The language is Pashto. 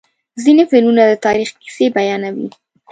ځینې فلمونه د تاریخ کیسې بیانوي.